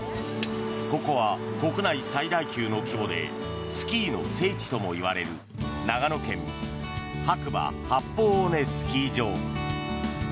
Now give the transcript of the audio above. ここは国内最大級の規模でスキーの聖地ともいわれる長野県・白馬八方尾根スキー場。